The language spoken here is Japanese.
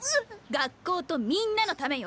学校とみんなのためよ。